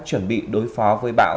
chuẩn bị đối phó với bão